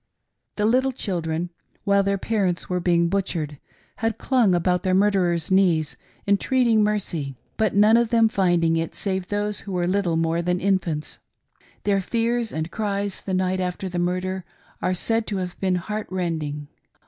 The little children, while their parents were being butchered, had clung about their murderer's knees entreating mercy, but none of them finding it save those who were little more than infants. Their fears and cries the night after the murder are said to have been heart rending.